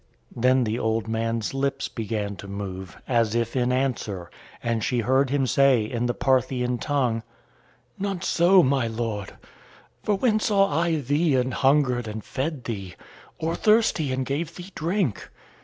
Then the old man's lips began to move, as if in answer, and she heard him say in the Parthian tongue: "Not so, my Lord! For when saw I thee an hungered, and fed thee? Or thirsty, and gave thee drink?